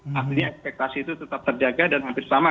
artinya ekspektasi itu tetap terjaga dan hampir sama